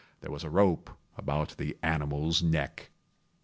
There was a rope about the animal's neck.